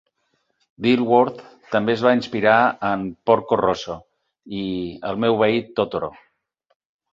Dilworth també es va inspirar en "Porco Rosso" i "El meu veí Totoro".